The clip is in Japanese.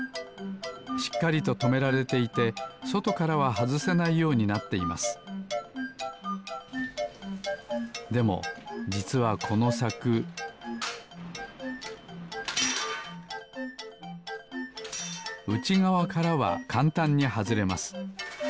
しっかりととめられていてそとからははずせないようになっていますでもじつはこのさくうちがわからはかんたんにはずれます。